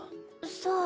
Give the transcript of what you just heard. さあ？